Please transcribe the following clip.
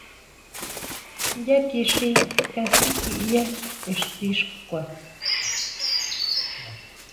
Yá kixí kasikʼiya exti xkua.